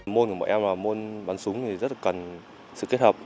môn của bọn em là môn bắn súng thì rất là cần sự kết hợp